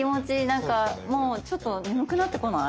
なんかもうちょっと眠くなってこない？